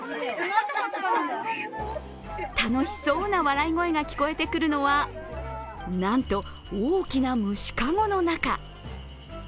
楽しそうな笑い声が聞こえてくるのはなんと大きな虫かごの中。